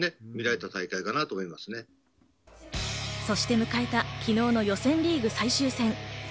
そして迎えた昨日の予選リーグ最終戦。